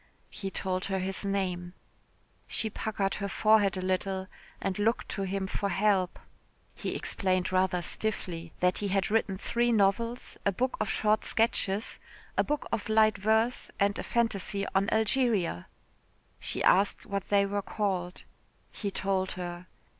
He told her his name. She puckered her forehead a little, and looked to him for help. He explained rather stiffly that he had written three novels, a book of short sketches, a book of light verse, and a phantasy on Algeria. She asked what they were called. He told her.